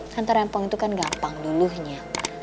tante rempong itu kan gampang dulunya